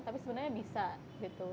tapi sebenarnya bisa gitu